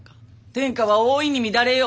天下は大いに乱れよう。